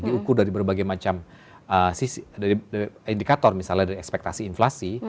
diukur dari berbagai macam dari indikator misalnya dari ekspektasi inflasi